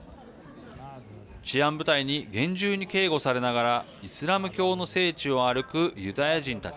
治安部隊に厳重に警護されながらイスラム教の聖地を歩くユダヤ人たち。